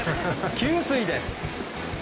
給水です。